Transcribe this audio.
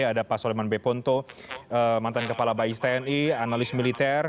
ada pak soleman beponto mantan kepala bais tni analis militer